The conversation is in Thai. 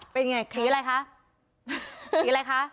เป็นไงคะสีอะไรคะ